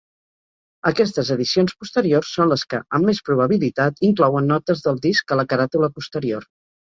Aquestes edicions posteriors són les que, amb més probabilitat, inclouen notes del disc a la caràtula posterior.